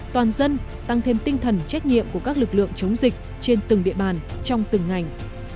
toàn dân tăng thêm tinh thần trách nhiệm của các lực lượng chống dịch trên từng địa bàn trong từng ngành